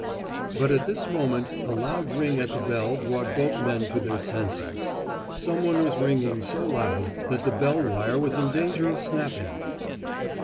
But at this moment a loud ring at the bell brought both men to their senses. Someone was ringing so loud that the bell wire was in danger of snapping.